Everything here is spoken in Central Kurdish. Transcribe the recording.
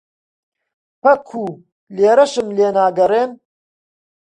پەکوو لێرەشم لێ ناگەڕێن؟